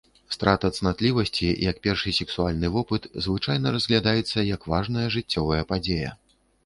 Страта цнатлівасці, як першы сексуальны вопыт, звычайна разглядаецца як важная жыццёвая падзея.